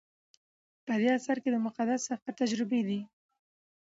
په دې اثر کې د مقدس سفر تجربې دي.